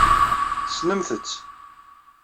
Tessnemt-tt.